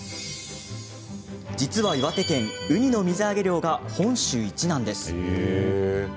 実は岩手県、ウニの水揚げ量が本州一なんです。